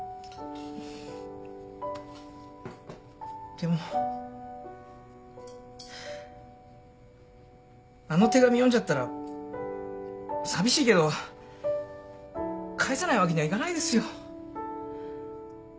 でもあの手紙読んじゃったら寂しいけど返さないわけにはいかないですよ。